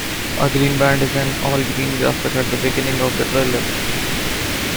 A "green band" is an all-green graphic at the beginning of the trailer.